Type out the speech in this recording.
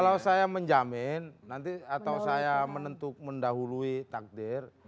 kalau saya menjamin nanti atau saya menentuk mendahului takdir